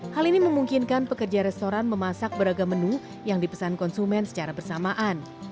hal ini memungkinkan pekerja restoran memasak beragam menu yang dipesan konsumen secara bersamaan